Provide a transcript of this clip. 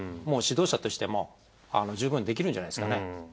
もう指導者としても十分できるんじゃないですかね。